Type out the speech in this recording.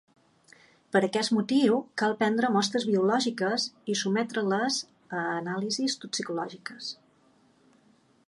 Per aquest motiu, cal prendre mostres biològiques i sotmetre-les a anàlisis toxicològiques.